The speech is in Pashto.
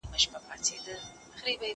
ما د سبا لپاره د هنرونو تمرين کړی دی؟!